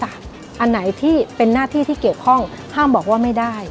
อันไหนที่เป็นหน้าที่ที่เกี่ยวข้องห้ามบอกว่าไม่ได้